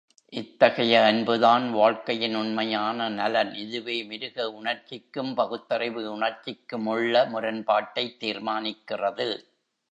இத்தகைய அன்புதான் வாழ்க்கையின் உண்மையான நலன் இதுவே மிருக உணர்ச்சிக்கும் பகுத்தறிவு உணர்ச்சிக்குமுள்ள முரண்பாட்டைத் தீர்மானிக்கிறது.